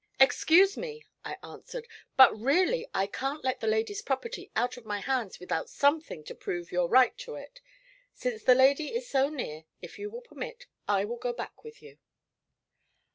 'Excuse me,' I answered, 'but really I can't let the lady's property out of my hands without something to prove your right to it. Since the lady is so near, if you will permit, I will go back with you.'